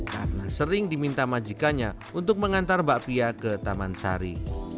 karena sering diminta majikannya untuk mengantar bakpia ke taman sari